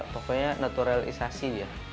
pokoknya naturalisasi ya